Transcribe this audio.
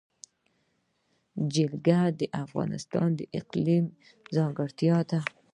جلګه د افغانستان د اقلیم ځانګړتیا ده.